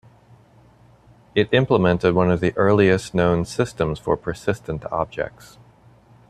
It implemented one of the earliest-known systems for persistent objects.